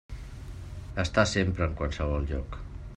Està sempre en qualsevol lloc.